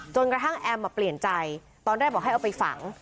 กระทั่งแอมเปลี่ยนใจตอนแรกบอกให้เอาไปฝัง